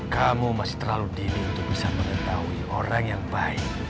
kamu masih terlalu dini untuk bisa mengetahui orang yang baik